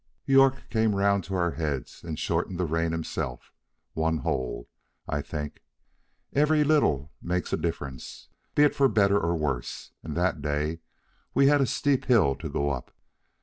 York came round to our heads and shortened the rein himself, one hole, I think. Every little makes a difference, be it for better or worse, and that day we had a steep hill to go up.